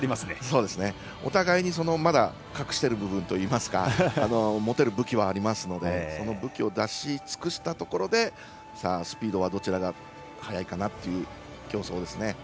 お互いに、まだ隠している部分といいますか持てる武器はありますのでその武器を出し尽くしたところでスピードはどちらが速いかなという競争ですね。